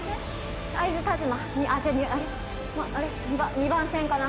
２番線かな？